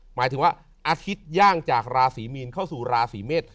หมายถึงว่าอาทิตย่างจากราศีมีนเข้าสู่ราศีเมษ